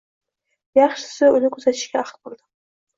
Yaxshisi, uni kuzatishga ahd qildim.